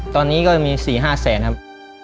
ตอนนี้ก็มี๔๕แสนครับ